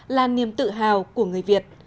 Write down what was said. là niềm tự hào của người việt